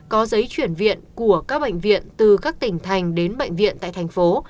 có giấy chuyển viện của các bệnh viện từ các tỉnh thành đến bệnh viện tại thành phố